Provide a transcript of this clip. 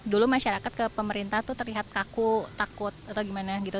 dulu masyarakat ke pemerintah tuh terlihat kaku takut atau gimana gitu